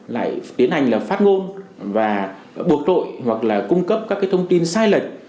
lại tiến hành là phát ngôn và buộc tội hoặc là cung cấp các cái thông tin sai lệch